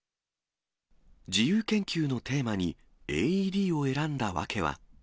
自由研究のテーマにＡＥＤを選んだ訳は。